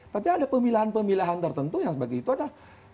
tapi ada pemilihan pemilihan tertentu yang sebab itu adalah